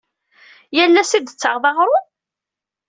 Yal ass i d-tettaɣeḍ aɣrum?